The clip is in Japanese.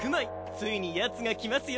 ついにヤツが来ますよ